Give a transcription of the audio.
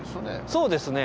そうですね。